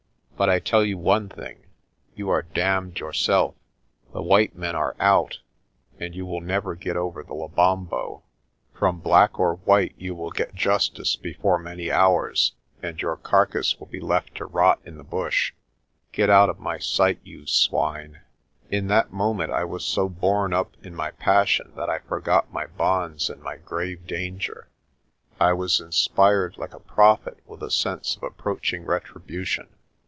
But I tell you one thing you are damned yourself. The white men are out, and you will never get over the Lebombo. From black or white you will get justice before many hours and your car cass will be left to rot in the bush. Get out of my sight, you swine." In that moment I was so borne up in my passion that I for got my bonds and my grave danger. I was inspired like a ARCOLL SENDS A MESSAGE 157 prophet with a sense of approaching retribution.